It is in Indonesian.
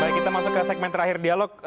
baik kita masuk ke segmen terakhir dialog